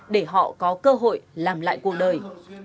để họ có cơ hội làm lại cuộc đời